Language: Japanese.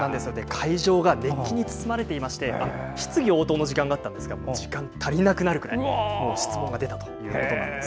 会場が熱気に包まれていまして質疑王との時間があったんですが時間が足りなくなるくらい質問が出たということです。